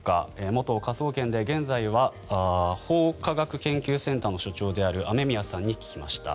元科捜研で現在は法科学研究センターの所長である雨宮さんに聞きました。